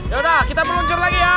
yaudah kita meluncur lagi ya